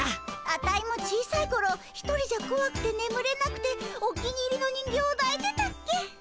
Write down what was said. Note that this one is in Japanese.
アタイも小さいころ一人じゃこわくて眠れなくてお気に入りの人形をだいてたっけ。